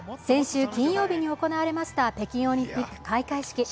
先週金曜日に行われました北京オリンピック開会式。